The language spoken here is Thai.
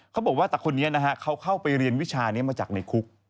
เขาบอกว่าตักคนนี้เข้าไปเรียนวิชามาจากในคุก